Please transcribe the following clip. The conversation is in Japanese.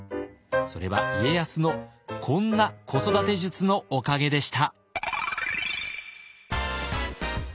それは家康のこんな子育て術のおかげでした。